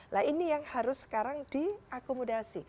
nah ini yang harus sekarang diakomodasi